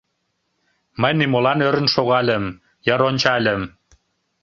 Мый нимолан ӧрын шогальым, йыр ончальым...